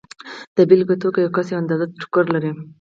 د بېلګې په توګه یو کس یوه اندازه ټوکر لري